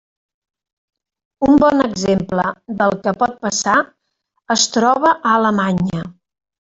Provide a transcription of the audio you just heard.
Un bon exemple del que pot passar es troba a Alemanya.